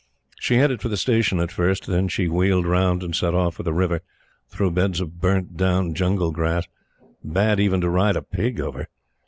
She headed for the Station at first. Then she wheeled round and set off for the river through beds of burnt down jungle grass, bad even to ride a pig over.